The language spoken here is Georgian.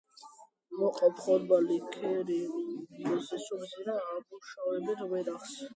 მოჰყავთ ხორბალი, ქერი, მზესუმზირა, ამუშავებენ ვენახს.